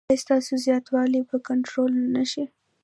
ایا ستاسو زیاتوالی به کنټرول نه شي؟